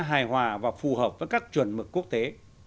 hài hòa và phù hợp với các chuẩn mực quốc tế